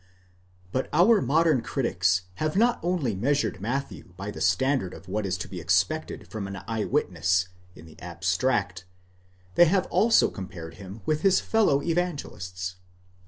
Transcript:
But our modern critics have not only measured Matthew by the standard of 'what is to be expected from an eye witness, in the abstract; they have also compared him with his fellow evangelists.